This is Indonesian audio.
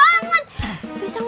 lusur ga ada bang